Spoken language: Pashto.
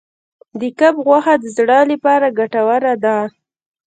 د کب غوښه د زړه لپاره ګټوره ده.